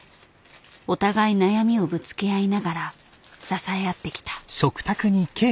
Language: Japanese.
お互い悩みをぶつけ合いながら支え合ってきた。